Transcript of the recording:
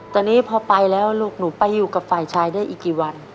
ตอนนี้พอไปแล้วลูกหนูไปอยู่กับฝ่ายชายได้อีกกี่วัน